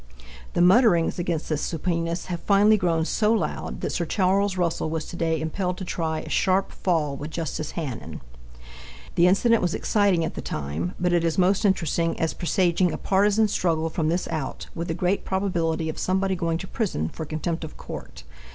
The mutterings against this supineness have finally grown so loud that Sir Charles Russell was to day impelled to try a sharp fall with Justice Hannen. The incident was exciting at the time, but it is most interesting as presaging a partisan struggle from this out, with a great probability of somebody going to prison for contempt of court.